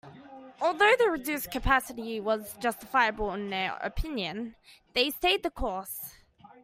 Although the reduced capacity was justifiable in their opinion, they stayed the course.